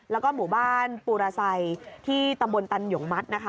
แล้วก็หมู่บ้านปูระไซที่ตำบลตันหยงมัดนะคะ